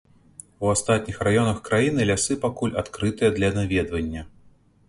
У астатніх раёнах краіны лясы пакуль адкрытыя для наведвання.